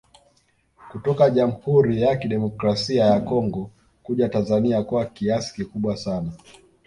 Kutoka jamhuri ya kidemokrasi ya Congo kuja Tanzania kwa kiasi kikubwa sana